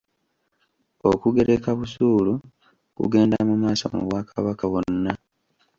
Okugereka busuulu kugenda mumaaso mu Bwakabaka wonna.